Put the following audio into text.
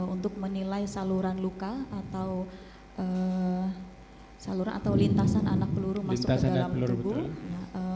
untuk menilai saluran luka atau lintasan anak peluru masuk ke dalam tubuh